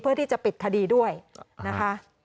เพื่อที่จะปิดคดีด้วยนะคะ